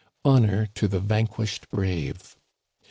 Honor to the vanquished brave!